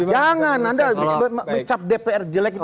jangan anda mencap dpr jelek itu